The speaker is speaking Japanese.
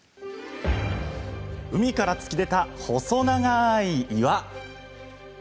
海から突き出た細長い岩。